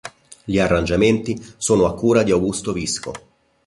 Gli arrangiamenti sono a cura di Augusto Visco.